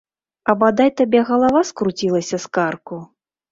А бадай табе галава скруцілася з карку!